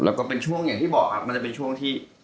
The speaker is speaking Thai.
แล้วก็เป็นช่วงอย่างที่บอกครับมันจะเป็นช่วงที่